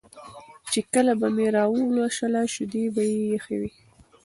چې کله به مې راولوشله شیدې به یې یخې وې